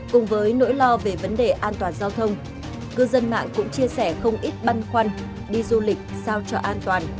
cùng với nỗi lo về vấn đề an toàn giao thông cư dân mạng cũng chia sẻ không ít băn khoăn đi du lịch sao cho an toàn